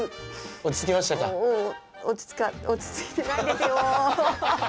落ち着か落ち着いてないですよ！